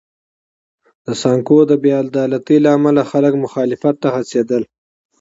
د سانکو د بې عدالتۍ له امله خلک مخالفت ته هڅېدل.